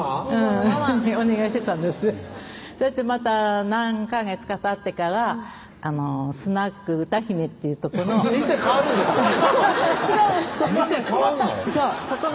また何ヵ月かたってからスナック・歌姫っていうとこの店変わるんですか店変わんの？